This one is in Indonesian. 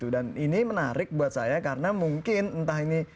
dan ini menarik buat saya karena mungkin entah ini